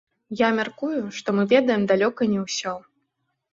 Я мяркую, што мы ведаем далёка не ўсё.